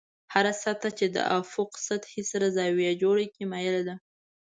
هره سطحه چې د افق سطحې سره زاویه جوړه کړي مایله ده.